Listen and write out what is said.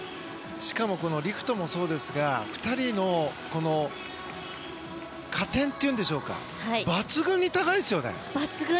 しかもリフトもそうですが２人の加点というんでしょうか抜群に高いですね。